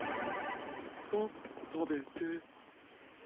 さあ食べて。